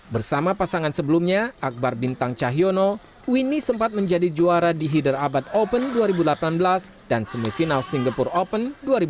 bersama pasangan sebelumnya akbar bintang cahyono winnie sempat menjadi juara di header abad open dua ribu delapan belas dan semifinal singapore open dua ribu delapan belas